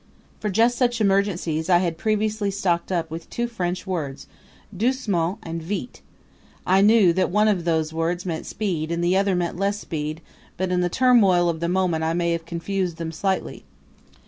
For just such emergencies I had previously stocked up with two French words "Doucement!" and "Vite!" I knew that one of those words meant speed and the other meant less speed, but in the turmoil of the moment I may have confused them slightly.